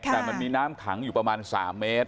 แต่มันมีน้ำขังอยู่ประมาณ๓เมตร